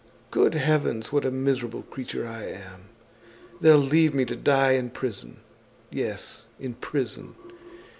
Good heavens! What a miserable creature I am! They'll leave me to die in prison, yes, in prison!"